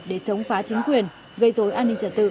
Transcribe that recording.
để chống phá chính quyền gây rối an ninh trả tự